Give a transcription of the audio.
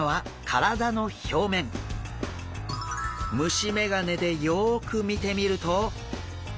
虫メガネでよく見てみると。